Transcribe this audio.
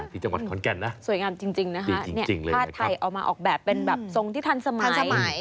ที่จังหวัดขอนแก่นนะสวยงามจริงนะคะผ้าไทยเอามาออกแบบเป็นแบบทรงที่ทันสมัย